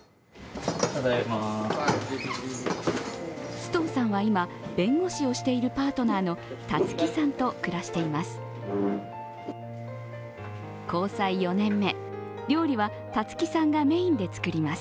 須藤さんは今、弁護士をしているパートナーのたつきさんと暮らしています。